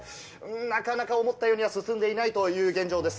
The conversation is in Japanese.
なかなか思ったようには進んでいないという現状です。